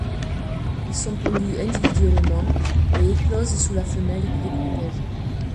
Ils sont pondus individuellement et éclosent sous la femelle qui les protège.